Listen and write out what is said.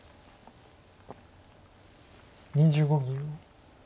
２５秒。